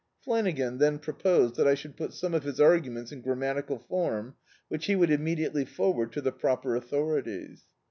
Flanagan then proposed that I should put some of his arguments in gram matical form, which he would immediately forward to the proper authorities.